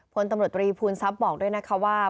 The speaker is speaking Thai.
พลตำรวจตรีภูมิทรัพย์บอกด้วยนะคะว่า